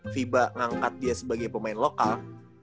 fiba ngangkat dia sebagai pemain lokal